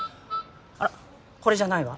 あらこれじゃないわ。